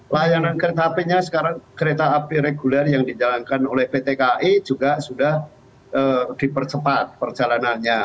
layanan kereta apinya sekarang kereta api reguler yang dijalankan oleh pt kai juga sudah dipercepat perjalanannya